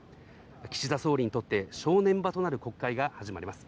岸田総理にとって正念場となる国会が始まります。